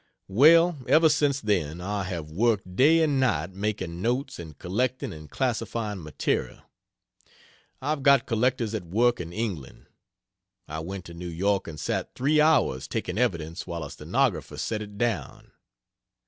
Well, ever since then I have worked day and night making notes and collecting and classifying material. I've got collectors at work in England. I went to New York and sat three hours taking evidence while a stenographer set it down.